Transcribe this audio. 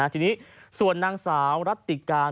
ทีนี้ส่วนนางสาวรัติการ